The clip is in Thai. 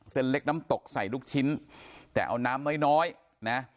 เล็กน้ำตกใส่ลูกชิ้นแต่เอาน้ำน้อยน้อยนะ